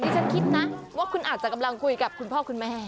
ฉันคิดนะว่าคุณอาจจะกำลังคุยกับคุณพ่อคุณแม่